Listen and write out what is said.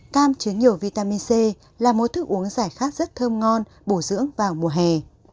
cam chứa nhiều vitamin c là một thức uống giải khát rất thơm ngon bổ dưỡng vào mùa hè